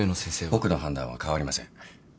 僕の判断は変わりません。